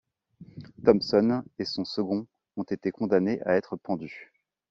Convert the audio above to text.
Thompson et son second ont été condamnés à être pendus.